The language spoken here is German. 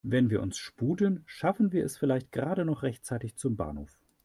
Wenn wir uns sputen, schaffen wir es vielleicht gerade noch rechtzeitig zum Bahnhof.